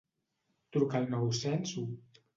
Truca al nou-cents u.